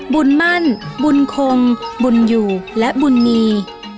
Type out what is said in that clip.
บุญมั่นบุญคงบุญอยู่และบุญมี